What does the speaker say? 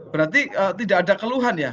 berarti tidak ada keluhan ya